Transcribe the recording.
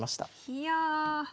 いや！